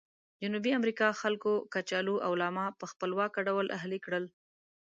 جنوبي امریکا خلکو کچالو او لاما په خپلواکه ډول اهلي کړل.